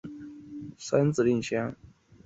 完背鳞虫为多鳞虫科完背鳞虫属的动物。